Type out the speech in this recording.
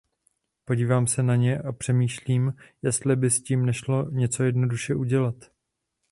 Podívám se na ně a popřemýšlím, jestli by s tím nešlo něco jednoduše udělat.